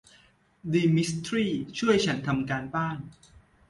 ดีมิสทรีช่วยฉันทำการบ้าน